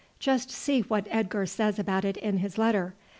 Just see what Edgar says about it in his letter.